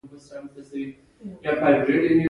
که څوک اصول مات کړل، سزا یې وګټله.